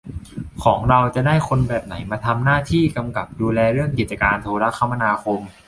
ของเราจะได้คนแบบไหนมาทำหน้าที่กำกับดูแลเรื่องกิจการโทรคมนาคม